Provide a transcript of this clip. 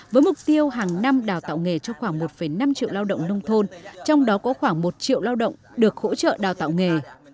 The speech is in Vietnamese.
với mục tiêu hàng năm đào tạo nghề cho khoảng một năm triệu lao động nông thôn trong đó có khoảng một triệu lao động được hỗ trợ đào tạo nghề